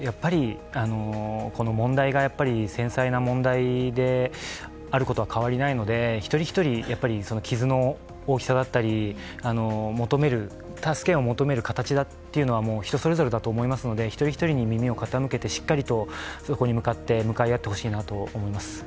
この問題が繊細な問題であることは変わりないので、一人一人、傷の大きさだったり助けを求める形だっていうのは人それぞれだと思うので、一人一人に耳を傾けてしっかりとそこに向かい合ってほしいなと思います。